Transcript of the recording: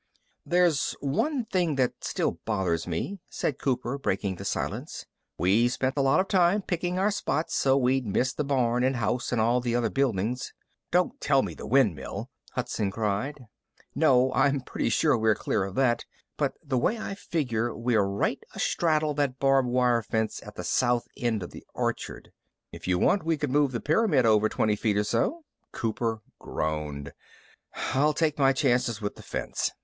"There's one thing that still bothers me," said Cooper, breaking the silence. "We spent a lot of time picking our spot so we'd miss the barn and house and all the other buildings...." "Don't tell me the windmill!" Hudson cried. "No. I'm pretty sure we're clear of that. But the way I figure, we're right astraddle that barbed wire fence at the south end of the orchard." "If you want, we could move the pyramid over twenty feet or so." Cooper groaned. "I'll take my chances with the fence."